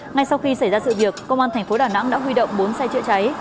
ngay sau khi xảy ra sự việc công an thành phố đà nẵng đã huy động bốn xe chữa cháy